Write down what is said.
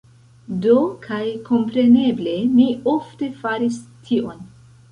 Do, kaj kompreneble, ni ofte faris tion.